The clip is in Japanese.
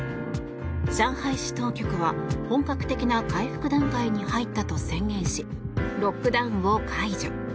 上海市当局は本格的な回復段階に入ったと宣言しロックダウンを解除。